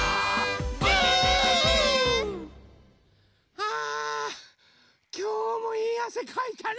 あきょうもいいあせかいたね。